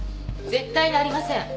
絶対にありません。